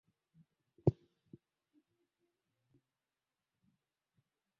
makabila yote ya wenyeji yalizungumza lugha moja